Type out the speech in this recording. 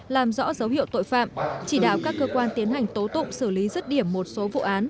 làm rõ dấu hiệu tội phạm chỉ đạo các cơ quan tiến hành tố tụng xử lý rứt điểm một số vụ án